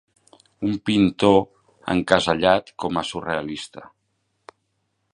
Un pintor encasellat com a surrealista.